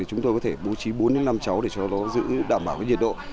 chúng tôi có thể bố trí bốn năm trẻ học sinh để giữ đảm bảo nhiệt độ